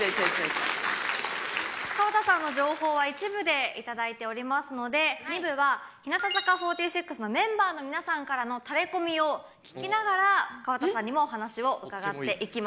河田さんの情報は１部で頂いておりますので２部は日向坂４６のメンバーの皆さんからのタレコミを聞きながら河田さんにも話を伺っていきます。